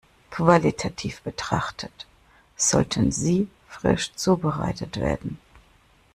Qualitativ betrachtet, sollten sie frisch zubereitet werden.